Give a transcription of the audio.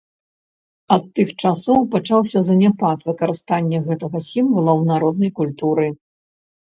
Ад тых часоў пачаўся заняпад выкарыстання гэтага сімвала ў народнай культуры.